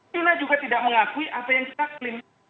china juga tidak mengakui apa yang kita klaim